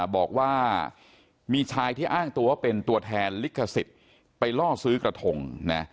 บอกว่ามีชายที่อ้างตัวเป็นตัวแทนลิขสิทธิ์ไปล่อซื้อกระทงนะ